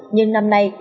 nhưng năm nay